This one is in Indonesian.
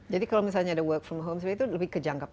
jadi kalau misalnya ada work from home itu lebih ke jangka panjang